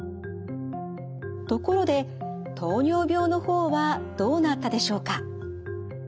ところで糖尿病の方はどうなったでしょうか。